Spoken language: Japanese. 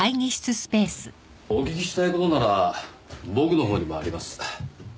お聞きしたい事なら僕の方にもあります。